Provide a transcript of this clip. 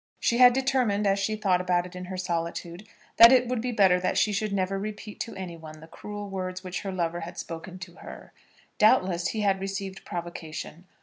She had determined, as she thought about it in her solitude, that it would be better that she should never repeat to anyone the cruel words which her lover had spoken to her. Doubtless he had received provocation.